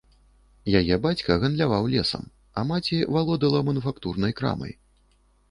Яе бацька гандляваў лесам, а маці валодала мануфактурнай крамай.